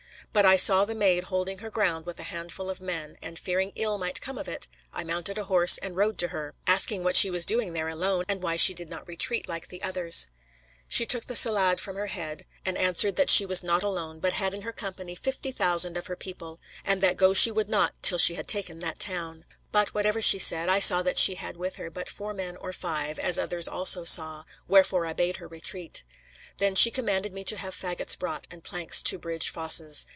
But I saw the Maid holding her ground with a handful of men, and, fearing ill might come of it, I mounted a horse and rode to her, asking what she was doing there alone, and why she did not retreat like the others. She took the salade from her head, and answered that she was not alone, but had in her company fifty thousand of her people; and that go she would not till she had taken that town, "But, whatever she said, I saw that she had with her but four men or five, as others also saw, wherefore I bade her retreat. Then she commanded me to have fagots brought, and planks to bridge fosses.